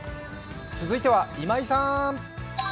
続いては今井さーん。